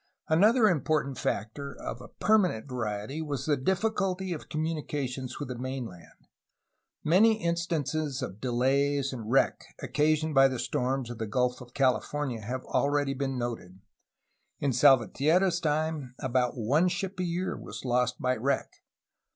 Another important factor of a permanent variety was the difficulty of communications with the mainland. Many in stances of delays and wreck occasioned by the storms of the Gulf of California have already been noted. In Salvatierra^s time about one ship a year was lost by wreck.